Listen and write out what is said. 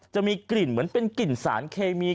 จะมีกลิ่นเหมือนเป็นกลิ่นสารเคมี